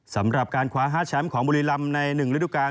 สำหรับการคว้า๕แชมป์ของบุรีรำใน๑ฤดูกาล